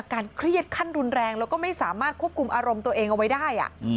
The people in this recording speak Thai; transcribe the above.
เครียดขั้นรุนแรงแล้วก็ไม่สามารถควบคุมอารมณ์ตัวเองเอาไว้ได้